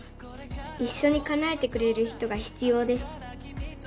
一緒に叶えてくれる人が必要です。